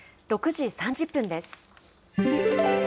６時３０分です。